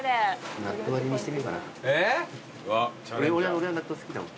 俺は納豆好きだもん。